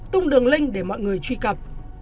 tung đường link để mọi người truy cập